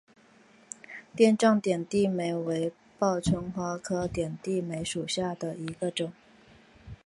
垫状点地梅为报春花科点地梅属下的一个种。